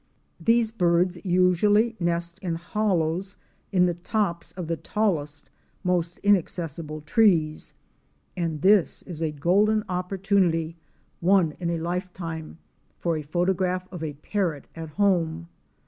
These birds usually nest in hollows in the tops of the tallest, most inaccessible trees, and this is a golden opportunity e arrange our THE LAKE OF PITCH. 67 —one in a lifetime—for a photograph of a Parrot at home.